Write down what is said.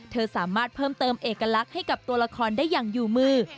สามารถเพิ่มเติมเอกลักษณ์ให้กับตัวละครได้อย่างอยู่มือ